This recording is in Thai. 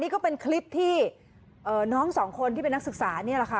ก็เป็นคลิปที่น้องสองคนที่เป็นนักศึกษานี่แหละค่ะ